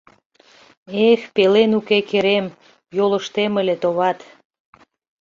Эх, пелен уке керем Йолыштем ыле, товат